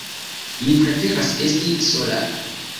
Mi preferas esti sola.